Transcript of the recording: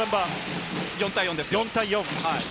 ４対４です。